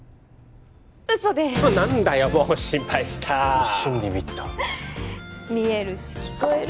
嘘です何だよもう心配した一瞬ビビった見えるし聞こえる